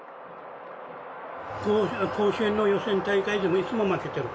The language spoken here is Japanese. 甲子園の予選大会でもいつも負けてる。